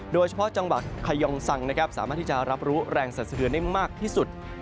โดยเฉพาะจังหวัดขยองสังนะครับสามารถที่จะรับรู้แรงสรรสะเทือนได้มากที่สุด